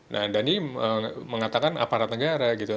nah dhani mengatakan aparat negara gitu